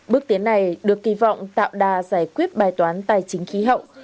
bước tiến này được kỳ vọng tạo đà giải quyết bài toán tài chính khí hậu